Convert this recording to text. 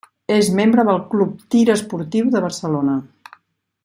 És membre del club Tir Esportiu de Barcelona.